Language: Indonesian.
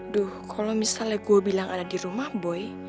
duh kalau misalnya gue bilang ada di rumah boy